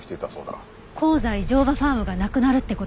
香西乗馬ファームがなくなるって事？